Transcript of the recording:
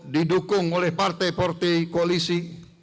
didukung oleh partai partai koalisi